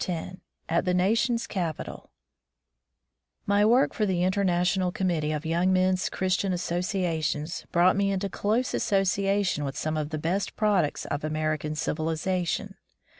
150 AT THE NATION'S CAPITAL TVTY work for the International Com •^^ mittee of Young Men's Christian Associations brought me into close associa tion with some of the best products of American civilization.